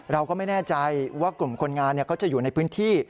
เราก็ไม่แน่ใจว่ากลุ่มคนงานเขาจะอยู่ในพื้นที่